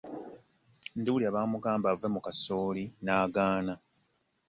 Ndiwulira bamugamba ave mu kasooli n'agaana.